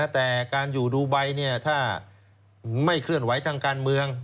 แต่การอยู่ดูไบถ้าไม่เคลื่อนไหวทางการเมือง